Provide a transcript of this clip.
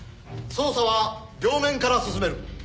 捜査は両面から進める。